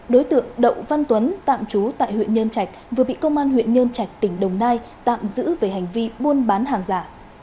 đối tượng đậu văn tuấn tạm trú tại huyện nhân trạch vừa bị công an huyện nhân trạch tỉnh đồng nai tạm giữ về hành vi buôn bán hàng giả